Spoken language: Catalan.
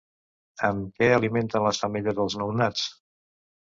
Amb què alimenten les femelles als nounats?